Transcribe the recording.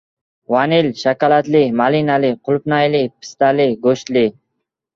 Vanil, shokoladli, malinali, qulupnayli, pistali, goʻshtli...